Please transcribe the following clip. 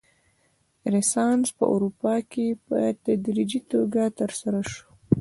رنسانس په اروپا کې په تدریجي توګه ترسره شو.